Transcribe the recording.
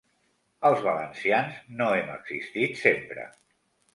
Els valencians no hem existit sempre.